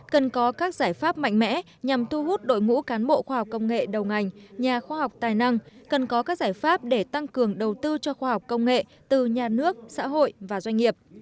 cần có các giải pháp mạnh mẽ nhằm thu hút đội ngũ cán bộ khoa học công nghệ đầu ngành nhà khoa học tài năng cần có các giải pháp để tăng cường đầu tư cho khoa học công nghệ từ nhà nước xã hội và doanh nghiệp